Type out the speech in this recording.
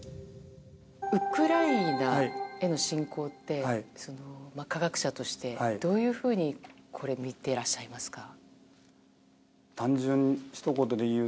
ウクライナへの侵攻って科学者としてどういうふうに見ていらっしゃいますか。